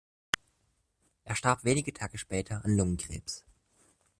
Er starb wenige Tage später an Lungenkrebs.